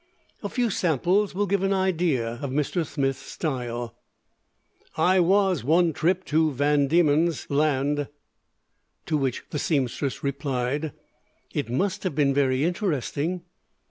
A few samples will give an idea of Mr. Smith's style: i was one trip to van demens land To which the seamstress replied: _It must have been very interesting.